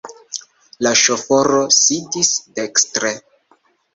La ŝoforo sidis dekstre.